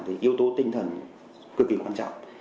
thì yếu tố tinh thần cực kỳ quan trọng